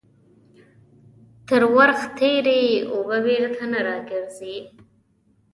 تر ورخ تيري اوبه بيرته نه راگرځي.